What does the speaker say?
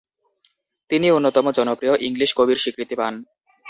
তিনি অন্যতম জনপ্রিয় ইংলিশ কবির স্বীকৃতি পান।